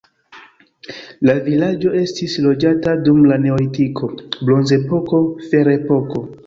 La vilaĝo estis loĝata dum la neolitiko, bronzepoko, ferepoko.